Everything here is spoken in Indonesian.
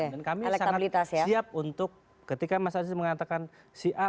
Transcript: dan kami sangat siap untuk ketika mas anies mengatakan si a